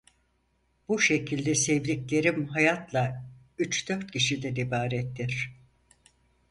Bu şekilde sevdiklerim hayatla üç dört kişiden ibarettir.